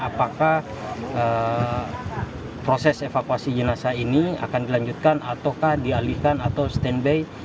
apakah proses evakuasi jenazah ini akan dilanjutkan ataukah dialihkan atau standby